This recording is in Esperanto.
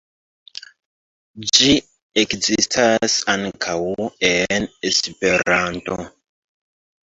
Ĝi ekzistas ankaŭ en Esperanto.